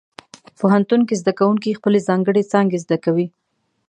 پوهنتون کې زده کوونکي خپلې ځانګړې څانګې زده کوي.